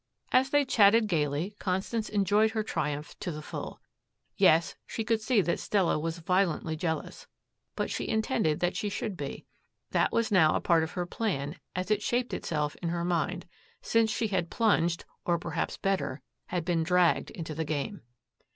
As they chatted gaily, Constance enjoyed her triumph to the full. Yes, she could see that Stella was violently jealous. But she intended that she should be. That was now a part of her plan as it shaped itself in her mind, since she had plunged or, perhaps better, had been dragged into the game.